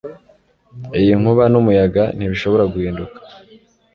Iyi nkuba n'umuyaga ntibishobora guhinduka